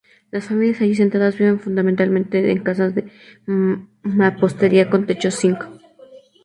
Las familias allí asentadas viven fundamentalmente en casas de mampostería con techos de cinc.